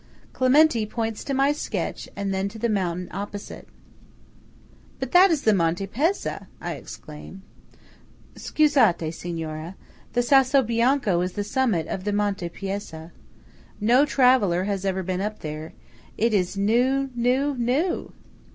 Clementi points to my sketch, and then to the mountain opposite. "But that is the Monte Pezza!" I exclaim. "Scusate, Signora–the Sasso Bianco is the summit of the Monte Pezza. No traveller has ever been up there. It is new–new–new!"